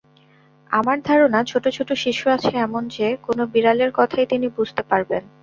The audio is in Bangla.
আমার ধারণা, ছোট-ছোট শিশু আছে এমন যে-কোনো বিড়ালের কথাই তিনি বুঝতে পারবেন।